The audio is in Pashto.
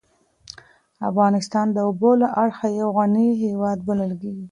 افغانستان د اوبو له اړخه یو غنی هېواد بلل کېږی.